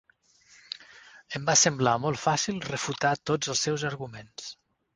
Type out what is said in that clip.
Em va semblar molt fàcil refutar tots els seus arguments.